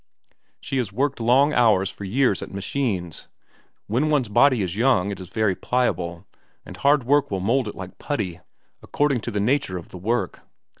"She has worked long hours for years at machines. When one's body is young, it is very pliable, and hard work will mould it like putty according to the nature of the work.